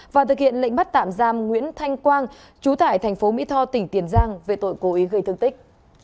và thực hiện lệnh bắt tạm giam nguyễn thanh quang chú tại thành phố mỹ tho tỉnh tiền giang về tội cố ý gây thương tích